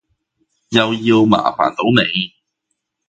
又要麻煩到你